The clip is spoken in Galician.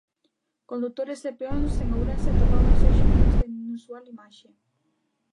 Condutores e peóns en Ourense topábanse hoxe con esta inusual imaxe.